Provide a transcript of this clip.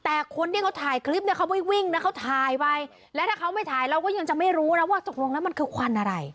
แต่คนที่เขาถ่ายคลิปเนี่ยเขาไปวิ่งนะเขาถ่ายไปแล้วถ้าเขาไม่ถ่ายเราก็ยังจะไม่รู้นะว่าตกลงแล้วมันคือควันอะไร